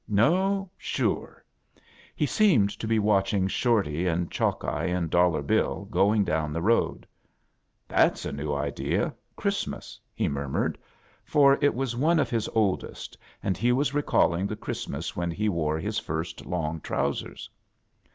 " No, sore." He seemed to be watching Shorty, and Chalkeye, and DoUar Bill going down the road. "That's a new idea ^Qiriat mas," he murmured, for it was one of his oldest, and he was recalling the Christmas when he wore his first long trousers.